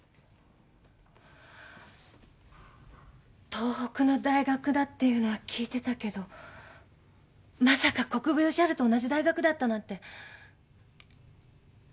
東北の大学だっていうのは聞いてたけどまさか国府吉春と同じ大学だったなんて。